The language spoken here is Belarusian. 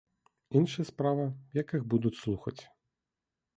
Іншая справа, як іх будуць слухаць.